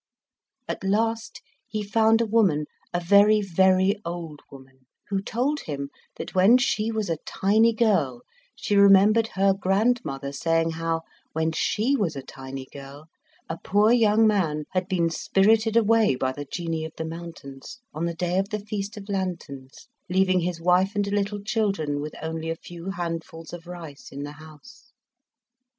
At last he found a woman, a very, very old woman, who told him that when she was a tiny girl she remembered her grandmother saying how, when she was a tiny girl, a poor young man had been spirited away by the Genii of the mountains, on the day of the Feast of Lanterns, leaving his wife and little children with only a few handfuls of rice in the house.